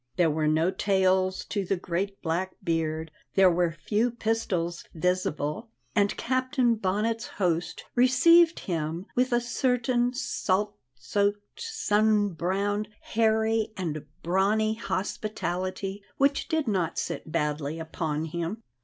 There were no tails to the great black beard, there were few pistols visible, and Captain Bonnet's host received him with a certain salt soaked, sun browned, hairy, and brawny hospitality which did not sit badly upon him.